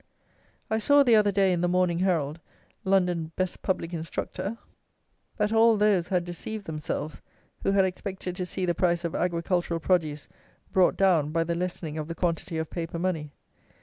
I saw, the other day, in the Morning Herald London "best public instructor," that all those had deceived themselves, who had expected to see the price of agricultural produce brought down by the lessening of the quantity of paper money.